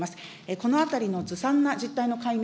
このあたりのずさんな実態の解明